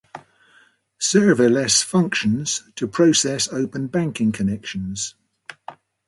Serverless functions to process open banking connections